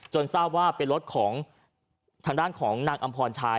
ทราบว่าเป็นรถของทางด้านของนางอำพรชาย